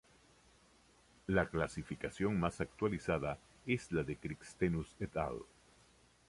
La clasificación más actualizada es la de Christenhusz et al.